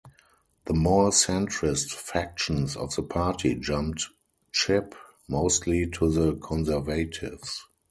The more centrist factions of the party jumped ship, mostly to the Conservatives.